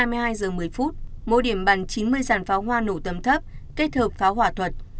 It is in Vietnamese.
mỗi điểm bắn chín mươi dàn pháo hoa nổ tầm thấp kết hợp pháo hỏa thuật